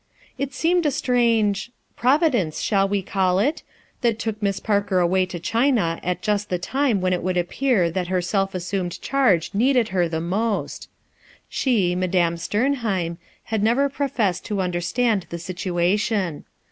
It seemed a strange— "Providence— shall we call it ?" that took Miss Parker away to China at just the time when it would appear that her self assumed charge Deeded her the most. She, Madame Stcrnhemi, had never professed to understand the situation.